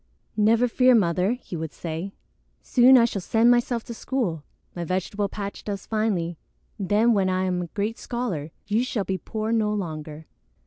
"Never fear, Mother," he would say. "Soon I shall send myself to school. My vegetable patch does finely. Then, when I am a great scholar, you shall be poor no longer.